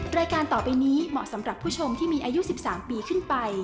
รายการต่อไปนี้เหมาะสำหรับผู้ชมที่มีอายุ๑๓ปีขึ้นไป